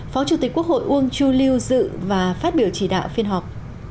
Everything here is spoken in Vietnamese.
phó chủ tịch quốc hội uông chu lưu dự và phát biểu chỉ đạo phiên họp